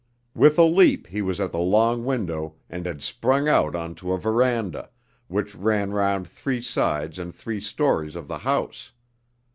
With a leap he was at the long window and had sprung out on to a verandah, which ran round three sides and three stories of the house.